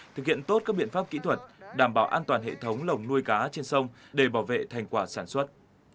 thực hiện tốt các biện pháp kỹ thuật đảm bảo an toàn hệ thống lồng nuôi cá trên sông để bảo vệ thành quả sản xuất